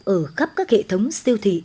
ở khắp các hệ thống siêu thị